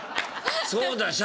そうだ。